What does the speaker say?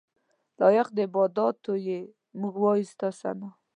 لایق د عباداتو یې موږ وایو ستا ثناء.